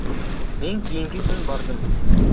Мен кийинки күнү бардым.